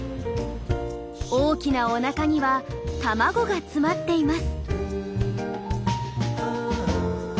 大きなおなかには卵が詰まっています。